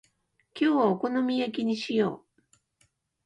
今日はお好み焼きにしよう。